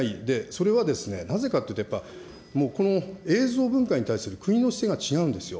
それはですね、なぜかというと、やっぱ、この映像文化に対する国の姿勢が違うんですよ。